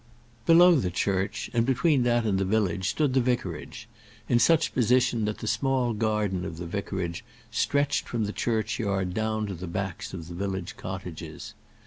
Below the church, and between that and the village, stood the vicarage, in such position that the small garden of the vicarage stretched from the churchyard down to the backs of the village cottages.